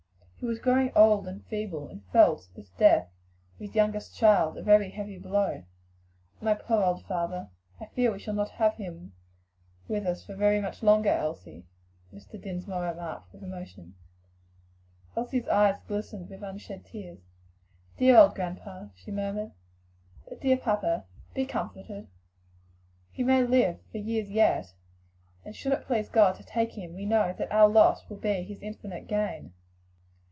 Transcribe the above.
He was growing old and feeble, and felt this, the death of his youngest child, a very heavy blow. "My poor old father! I fear we shall not have him with us much longer," Mr. Dinsmore remarked with emotion. Elsie's eyes glistened with unshed tears. "Dear old grandpa!" she murmured. "But, dear papa, be comforted! he may live for years yet, and should it please God to take him, we know that our loss will be his infinite gain."